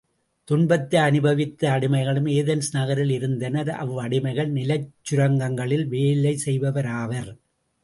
துன்புத்தை அநுபவித்த அடிமைகளும் Athens நகரில் இருந்தனர் அவ்வடிமைகள் நிலச் சுரங்கங்களில் வேலை செய்பவராவர்.